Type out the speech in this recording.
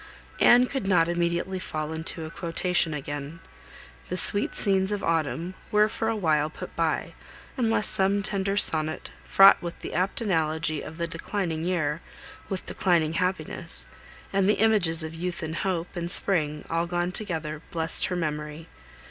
Anne could not immediately fall into a quotation again. The sweet scenes of autumn were for a while put by, unless some tender sonnet, fraught with the apt analogy of the declining year, with declining happiness, and the images of youth and hope, and spring, all gone together, blessed her memory.